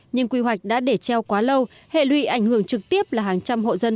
nhưng quy hoạch đã để treo quá lâu hệ lụy ảnh hưởng trực tiếp là hàng trăm hộ dân